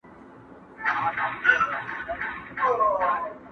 د مورنۍ ژبي ورځ دي ټولو پښتنو ته مبارک وي.